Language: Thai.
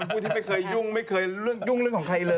มดดำเป็นคนที่ไม่เคยยุ่งยุ่งเรื่องของใครเลย